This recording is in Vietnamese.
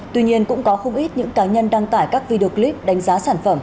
tuy nhiên cũng có không ít những cá nhân đăng tải các video clip đánh giá sản phẩm